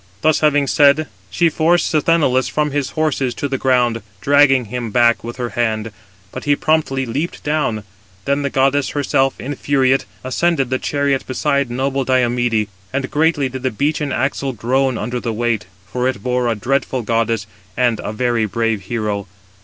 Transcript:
Thus having said, she forced Sthenelus from his horses to the ground, dragging him back with her hand; but he promptly leaped down. Then the goddess herself, infuriate, ascended the chariot beside noble Diomede, and greatly did the beechen axle groan under the weight; for it bore a dreadful goddess and a very brave hero.